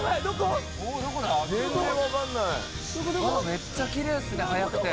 めっちゃきれいですね速くて。